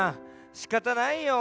しかたないよ。